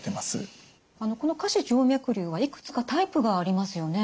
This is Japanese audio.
この下肢静脈瘤はいくつかタイプがありますよね。